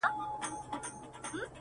• له سدیو دا یوه خبره کېږي,